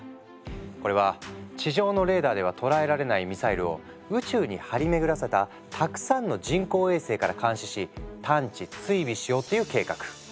これは地上のレーダーでは捉えられないミサイルを宇宙に張り巡らせたたくさんの人工衛星から監視し探知追尾しようっていう計画。